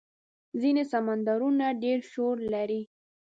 ځینې سمندرونه ډېر شور لري.